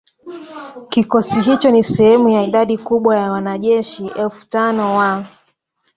Kikosi hicho ni sehemu ya idadi kubwa ya wanajeshi elfu tano wa